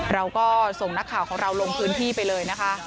เราก็ส่งนักข่าวของเราลงพื้นที่ไปเลยนะคะ